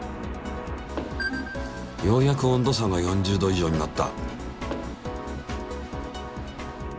ようやく温度差が４０℃以上になった。